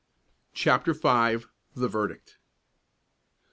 CHAPTER V. THE VERDICT.